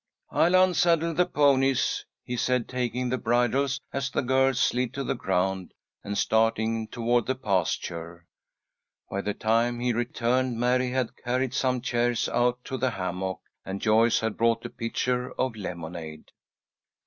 "I'll unsaddle the ponies," he said, taking the bridles as the girls slid to the ground, and starting toward the pasture. By the time he returned, Mary had carried some chairs out to the hammock, and Joyce had brought a pitcher of lemonade.